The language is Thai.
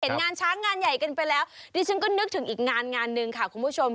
งานช้างงานใหญ่กันไปแล้วดิฉันก็นึกถึงอีกงานงานหนึ่งค่ะคุณผู้ชม